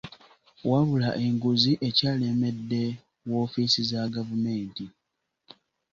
Wabula enguzi ekyalemedde woofiisi za gavumenti.